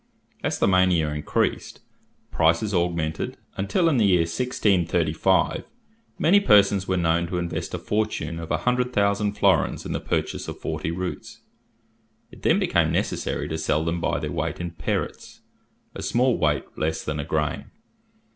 As the mania increased, prices augmented, until, in the year 1635, many persons were known to invest a fortune of 100,000 florins in the purchase of forty roots. It then became necessary to sell them by their weight in perits, a small weight less than a grain.